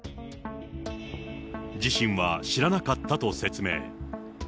自身は知らなかったと説明。